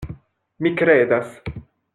Mi kredas.